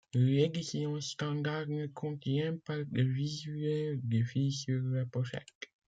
L'édition standard ne contient pas de visuel des filles sur la pochette.